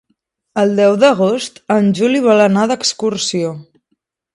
El deu d'agost en Juli vol anar d'excursió.